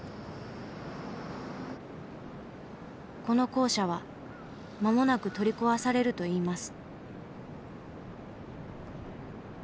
この校舎は間もなく取り壊されるといいます。